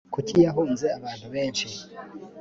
kuki yahunze abantu benshi